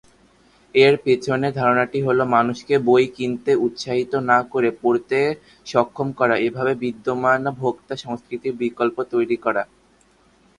এর পিছনে ধারণাটি হলো মানুষকে বই কিনতে উৎসাহিত না করে পড়তে সক্ষম করা, এইভাবে বিদ্যমান ভোক্তা সংস্কৃতির বিকল্প তৈরি করা।